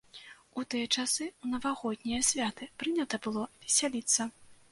У тыя часы ў навагоднія святы прынята было весяліцца.